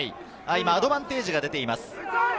今、アドバンテージが出ています。